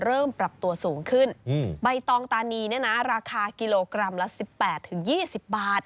เริ่มปรับตัวสูงขึ้นอืมใบตองตานีเนี่ยนะราคากิโลกรัมละสิบแปดถึงยี่สิบบาท